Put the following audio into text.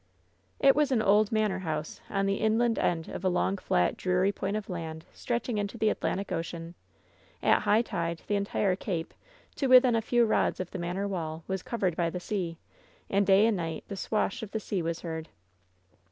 "It was an old manor house on the inland end of a long, flat, dreary point of land stretching into the At lantic Ocean. At high tide the entire cape, to within a few rods of the manor wall, was covered by the sea, and day and night the swash of the sea was heard."